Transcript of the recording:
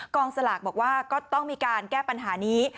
สลากบอกว่าก็ต้องมีการแก้ปัญหานี้